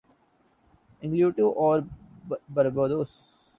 Antigua اور باربودا